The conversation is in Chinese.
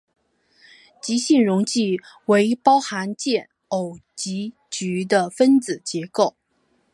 极性溶剂为包含键偶极矩的分子结构。